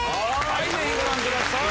ぜひご覧ください。